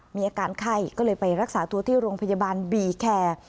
มีอาการไข้ก็เลยไปรักษาตัวที่โรงพยาบาลบีแคร์